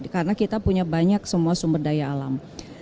karena kita punya banyak semua sumber daya alam